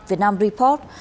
việt nam report